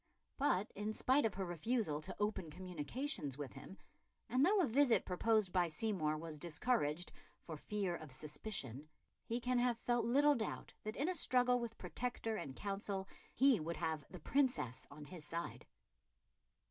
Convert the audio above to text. But, in spite of her refusal to open communications with him, and though a visit proposed by Seymour was discouraged "for fear of suspicion," he can have felt little doubt that in a struggle with Protector and Council he would have the Princess on his side.